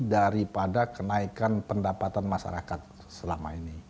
daripada kenaikan pendapatan masyarakat selama ini